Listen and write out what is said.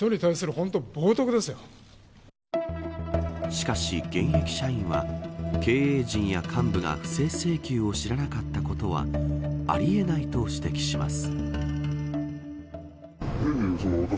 しかし、現役社員は経営陣や幹部が不正請求を知らなかったことはあり得ないと指摘します。